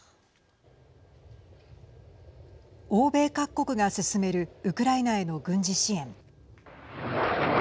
欧米各国が進めるウクライナへの軍事支援。